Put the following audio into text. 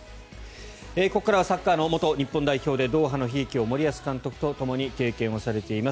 ここからはサッカーの元日本代表でドーハの悲劇を森保監督とともに経験されています